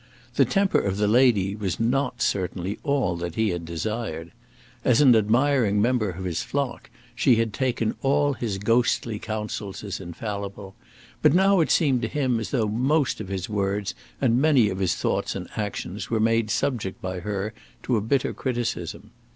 The temper of the lady was not certainly all that he had desired. As an admiring member of his flock she had taken all his ghostly counsels as infallible; but now it seemed to him as though most of his words and many of his thoughts and actions were made subject by her to a bitter criticism.